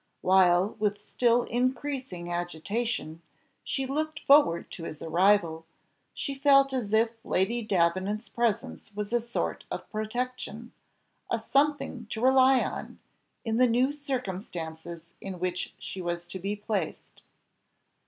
While, with still increasing agitation, she looked forward to his arrival, she felt as if Lady Davenant's presence was a sort of protection, a something to rely on, in the new circumstances in which she was to be placed.